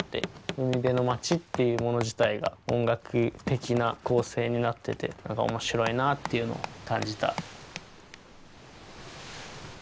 海辺の町っていうもの自体が音楽的な構成になってて何か面白いなっていうのを感じた。